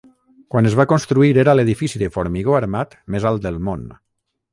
Quan es va construir, era l'edifici de formigó armat més alt del món.